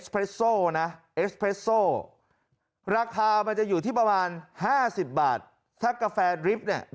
คุณจะขายของคุณภาพสวนทางกับราคา